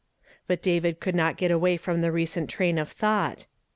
) But David could not get away from the recent train of thought.